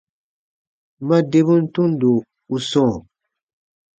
Ma debun tundo u sɔ̃ɔ.